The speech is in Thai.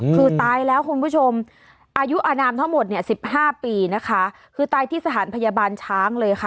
คือตายแล้วคุณผู้ชมอายุอนามทั้งหมดเนี่ยสิบห้าปีนะคะคือตายที่สถานพยาบาลช้างเลยค่ะ